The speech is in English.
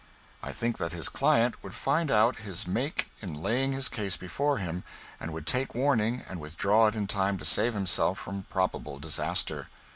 I think that his client would find out his make in laying his case before him, and would take warning and withdraw it in time to save himself from probable disaster.